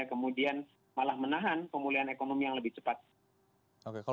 kemudian malah menahan pemulihan ekonomi yang lebih cepat